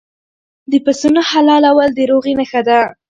د پسونو حلالول د روغې نښه ده.